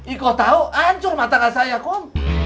iko tahu hancur mata mata saya kum